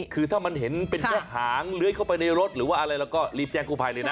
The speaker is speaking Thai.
คือถ้ามันเห็นแค้งหลเล้ยในรถรือว่าอะไรก็รีบแจ้งกู้พัยเลยนะ